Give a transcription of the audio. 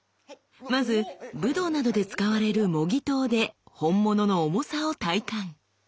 まず武道などで使われる「模擬刀」で本物の重さを体感。